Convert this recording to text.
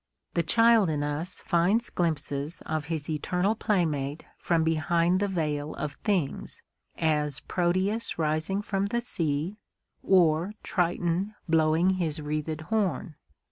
The child in us finds glimpses of his eternal playmate from behind the veil of things, as Proteus rising from the sea, or Triton blowing his wreathèd horn.